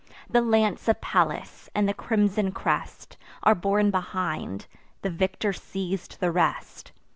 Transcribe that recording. The lance of Pallas, and the crimson crest, Are borne behind: the victor seiz'd the rest.